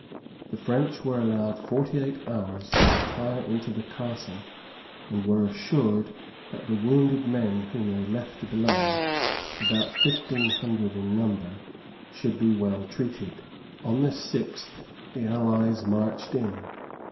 The French were allowed forty eight hours to retire into the castle, and were assured that the wounded men whom they left below, about fifteen hundred in number, should be well treated. On the sixth the allies marched in.